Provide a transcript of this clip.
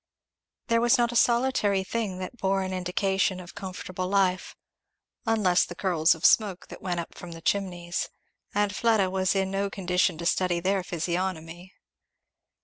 There was not a solitary thing that bore an indication of comfortable life, unless the curls of smoke that went up from the chimneys; and Fleda was in no condition to study their physiognomy.